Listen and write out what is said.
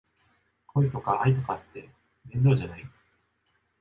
恋とか愛とかって面倒じゃない？